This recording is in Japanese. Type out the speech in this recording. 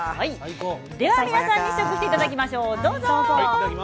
では皆さんに試食していただきます。